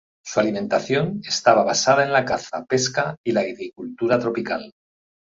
Su alimentación estaba basada en la caza, pesca y la agricultura tropical.